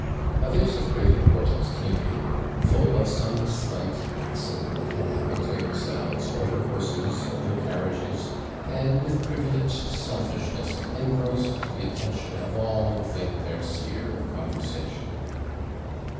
Others of great importance came in, full of some slight accident that had happened to themselves, or their horses, or their carriages; and, with privileged selfishness, engrossed the attention of all within their sphere of conversation.